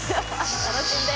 楽しんで。